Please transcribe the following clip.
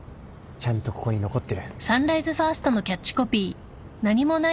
ちゃんとここに残ってる。